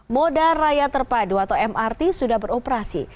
moda raya terpadu atau mrt sudah beroperasi